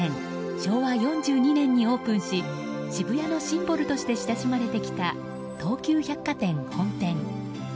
昭和４２年にオープンし渋谷のシンボルとして親しまれてきた、東急百貨店本店。